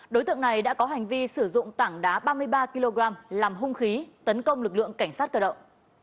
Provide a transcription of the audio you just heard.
đối tượng này đã có hành vi sử dụng tảng đá ba mươi ba kg làm hung khí tấn công lực lượng cảnh sát cơ động